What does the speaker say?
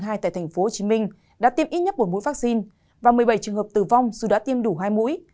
tại thành phố hồ chí minh đã tiêm ít nhất một mũi vaccine và một mươi bảy trường hợp tử vong dù đã tiêm đủ hai mũi